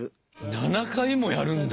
７回もやるんだ？